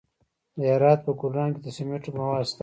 د هرات په ګلران کې د سمنټو مواد شته.